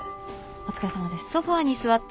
お疲れさまです。